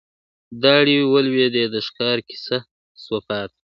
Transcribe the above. داړي ولوېدې د ښکار کیسه سوه پاته `